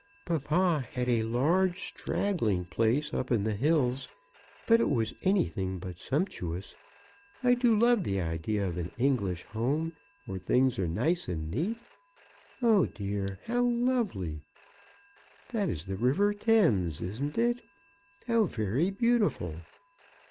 "Papa had a large straggling place up in the hills, but it was anything but sumptuous. I do love the idea of an English home, where things are neat and nice. Oh, dear; how lovely! That is the River Thames; isn't it? How very beautiful!"